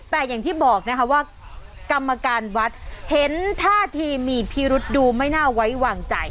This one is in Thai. แต่อย่างที่บอกนะคะว่ากรรมการวัดเห็นท่าทีมีพิรุษดูไม่น่าไว้วางใจ